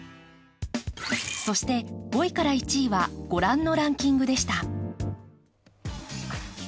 そして５位から１位は御覧のランキングでした。